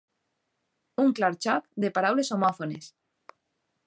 Un clar joc de paraules homòfones.